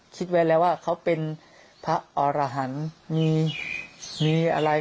คิดไว้แล้วว่าเขาเป็นพระอรหันต์มีอะไร